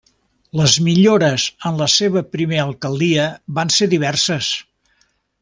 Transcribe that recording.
Les millores en la seva primer alcaldia van ser diverses.